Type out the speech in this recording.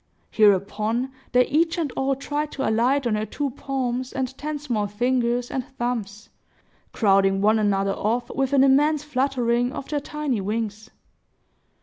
Hereupon, they each and all tried to alight on her two palms and ten small fingers and thumbs, crowding one another off, with an immense fluttering of their tiny wings.